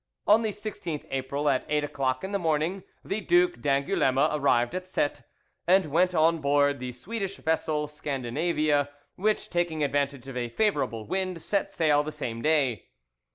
On the 16th April, at eight o'clock in the morning, the Duc d'Angouleme arrived at Cette, and went on board the Swedish vessel Scandinavia, which, taking advantage of a favourable wind, set sail the same day.